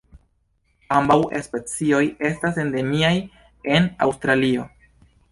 Ambaŭ specioj estas endemiaj en Aŭstralio.